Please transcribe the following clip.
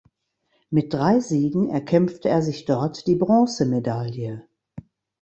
Mit drei Siegen erkämpfte er sich dort die Bronzemedaille.